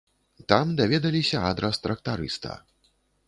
Там даведаліся адрас трактарыста.